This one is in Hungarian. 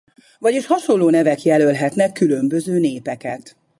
Vagyis hasonló nevek jelölhetnek különböző népeket.